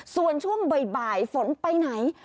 ส่วนช่วงบ่ายฝนไปไหน